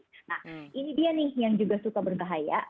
nah ini dia nih yang juga suka berbahaya